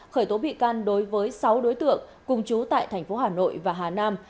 khởi tố bị can đối với sáu đối tượng cùng chú tại tp hà nội và hà nam